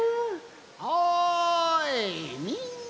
おいみんな。